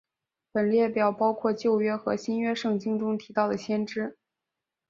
本列表包括旧约和新约圣经中提到的先知。